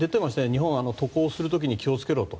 日本は渡航する時に気をつけろと。